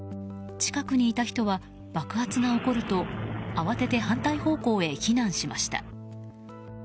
近くにいた人は、爆発が起こると慌てて反対方向へ避難しました。